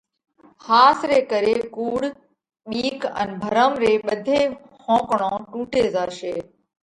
ۿاس ري ڪري ڪُوڙ، ٻِيڪ ان ڀرم ري ٻڌي ۿونڪۯون ٽُوٽي زاشي۔